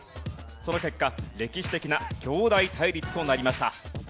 その結果歴史的な兄弟対立となりました。